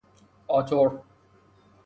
آتور